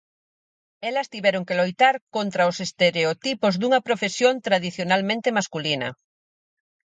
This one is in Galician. Elas tiveron que loitar contra os estereotipos dunha profesión tradicionalmente masculina.